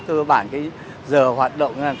cơ bản giờ hoạt động